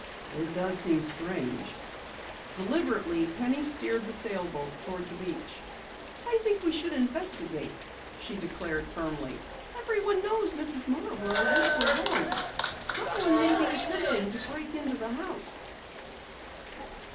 "It does seem strange." Deliberately, Penny steered the sailboat toward the beach. "I think we should investigate," she declared firmly. "Everyone knows Mrs. Marborough lives alone. Someone may be attempting to break into the house!"